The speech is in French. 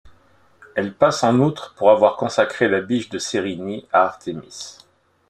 Elle passe en outre pour avoir consacré la biche de Cérynie à Artémis.